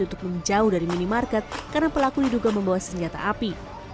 untuk menjauh dari minimarket karena pelaku diduga membawa senjata api